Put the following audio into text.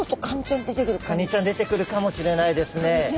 カニちゃん出てくるかもしれないですね。